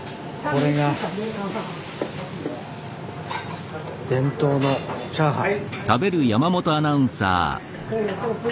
これが伝統のチャーハン。